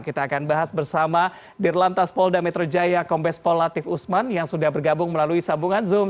kita akan bahas bersama dirlantas polda metro jaya kombes pol latif usman yang sudah bergabung melalui sambungan zoom